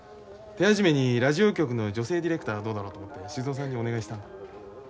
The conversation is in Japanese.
手始めにラジオ局の女性ディレクターはどうだろうと思って静尾さんにお願いしたんだ。